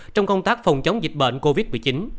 trong công tác phòng chống dịch bệnh covid một mươi chín